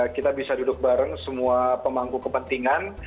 kita bisa duduk bareng semua pemangku kepentingan